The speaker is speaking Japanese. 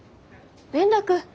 連絡？